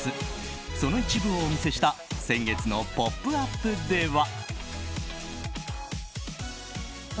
その一部をお見せした先月の「ポップＵＰ！」では。